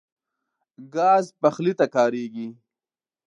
ګاز پخلي ته کارېږي.